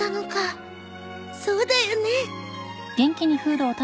そうだよね。